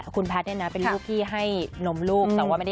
คุณแพทย์เป็นยังไงคะ